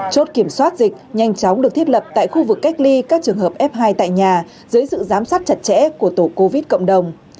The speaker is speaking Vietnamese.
chốt kiểm soát dịch nhanh chóng được thiết lập tại khu vực cách ly các trường hợp f hai tại nhà dưới sự giám sát chặt chẽ của tổ covid cộng đồng